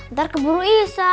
ntar keburu isa